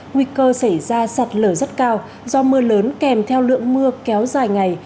nguy cơ xảy ra sạt lở rất cao do mưa lớn kèm theo lượng mưa kéo dài ngày